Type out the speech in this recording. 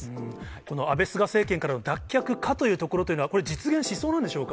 この安倍・菅政権からの脱却かというところというのはこれ、実現しそうなんでしょうか。